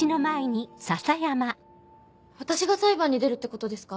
私が裁判に出るってことですか？